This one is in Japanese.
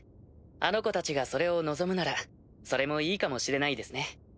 あの子たちがそれを望むならそれもいいかもしれないですね。